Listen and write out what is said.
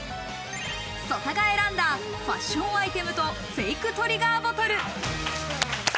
曽田が選んだファッションアイテムとフェイクトリガーボトル。